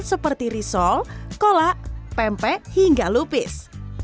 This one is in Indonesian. seperti risol kolak pempek hingga lupis